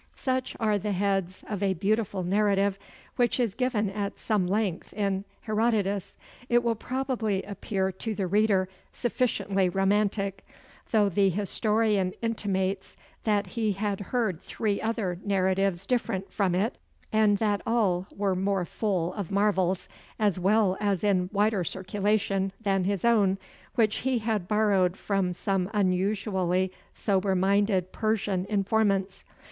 Such are the heads of a beautiful narrative which is given at some length in Herodotus. It will probably appear to the reader sufficiently romantic; though the historian intimates that he had heard three other narratives different from it, and that all were more full of marvels, as well as in wider circulation, than his own, which he had borrowed from some unusually sober minded Persian informants.